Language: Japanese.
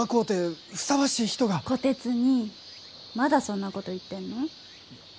虎鉄にいまだそんなこと言ってんの？